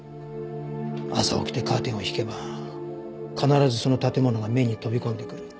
朝起きてカーテンを引けば必ずその建物が目に飛び込んでくる。